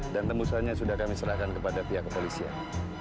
dan tembusannya sudah kami serahkan kepada pihak kepolisian